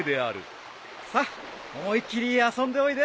さあ思い切り遊んでおいで。